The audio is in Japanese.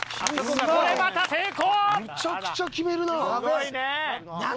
むちゃくちゃ決めるな。